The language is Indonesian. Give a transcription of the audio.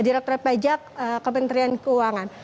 direktur pajak kementerian keuangan